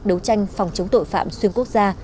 đấu tranh phòng chống tội phạm xuyên quốc gia